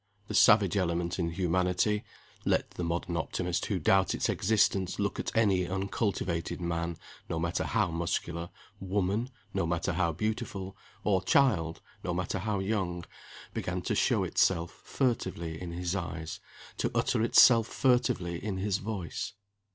The savage element in humanity let the modern optimists who doubt its existence look at any uncultivated man (no matter how muscular), woman (no matter how beautiful), or child (no matter how young) began to show itself furtively in his eyes, to utter itself furtively in his voice.